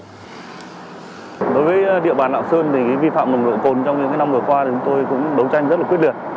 đối với địa bàn lạng sơn thì vi phạm nồng độ cồn trong những năm vừa qua thì chúng tôi cũng đấu tranh rất là quyết liệt